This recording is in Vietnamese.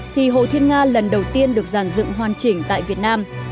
thì hồ thiên nga lần đầu tiên được giàn dựng hoàn chỉnh tại việt nam